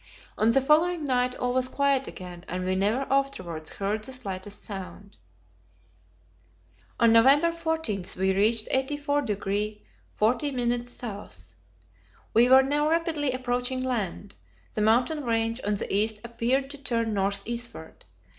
On the following night all was quiet again, and we never afterwards heard the slightest sound. On November 14 we reached 84° 40' S. We were now rapidly approaching land; the mountain range on the east appeared to turn north eastward.